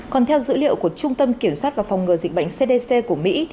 còn theo dữ liệu của trung tâm kiểm soát và phòng ngừa dịch bệnh cdc của mỹ